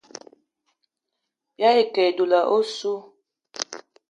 Bìayî ke e dula ossu.